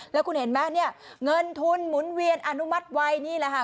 แล้วคุณเห็นไหมเนี่ยเงินทุนหมุนเวียนอนุมัติไว้นี่แหละค่ะ